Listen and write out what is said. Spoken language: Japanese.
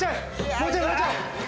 もうちょいもうちょい！